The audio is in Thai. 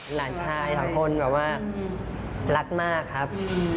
หลานชายสองคนแบบว่ารักมากครับ